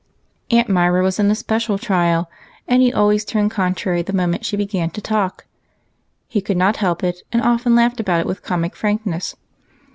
Aunt Myra was an especial trial, and he always turned contrary the moment she began to talk. He could not help it, and often laughed about it with comic frankness.